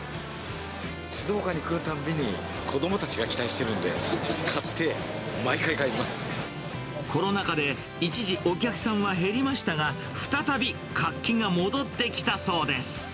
静岡に来るたんびに、子どもたちが期待してるんで、買って、コロナ禍で一時、お客さんは減りましたが、再び活気が戻ってきたそうです。